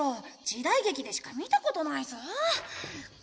時代劇でしか見たことないぞ。